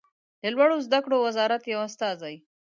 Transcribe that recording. د لوړو زده کړو وزارت یو استازی